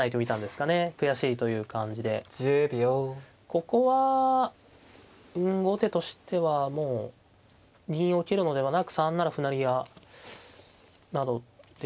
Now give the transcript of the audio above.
ここは後手としてはもう銀を受けるのではなく３七歩成などで。